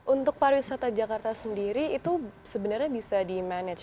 untuk pariwisata jakarta sendiri itu sebenarnya bisa di manage